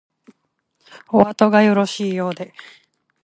おあとがよろしいようで